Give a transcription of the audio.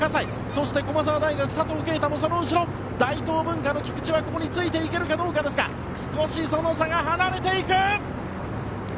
そして駒澤大学の佐藤圭汰のその後ろ大東文化の菊地はここについていけるかどうかですが少しその差が離れていく！